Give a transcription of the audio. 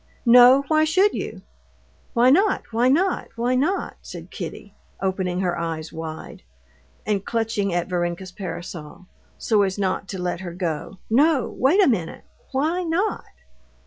"No, why should you?" "Why not? why not? why not?" said Kitty, opening her eyes wide, and clutching at Varenka's parasol, so as not to let her go. "No, wait a minute; why not?"